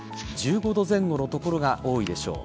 １５度前後の所が多いでしょう。